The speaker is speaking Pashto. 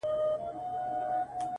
• اوس مي د زړه پر تكه سپينه پاڼه.